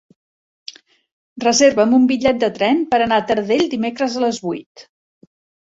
Reserva'm un bitllet de tren per anar a Taradell dimecres a les vuit.